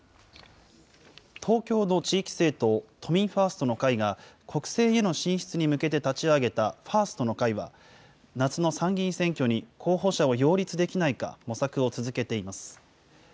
東京の地域政党、都民ファーストの会が、国政への進出に向けて立ち上げたファーストの会は、夏の参議院選挙に候補者を擁立できないか、模索を続けています。